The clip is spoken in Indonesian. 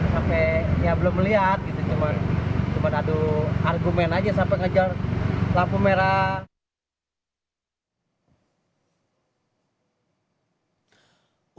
sampai ya belum melihat gitu cuma adu argumen aja sampai ngejar lampu merah